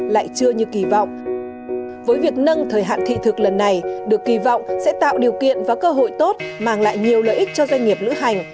lại chưa như kỳ vọng với việc nâng thời hạn thị thực lần này được kỳ vọng sẽ tạo điều kiện và cơ hội tốt mang lại nhiều lợi ích cho doanh nghiệp lữ hành